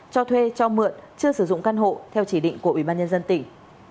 cho thuê cho mượn chưa sử dụng căn hộ theo chỉ định của ủy ban nhân dân tỉnh